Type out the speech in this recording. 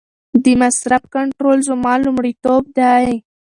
د مصرف کنټرول زما لومړیتوب دی.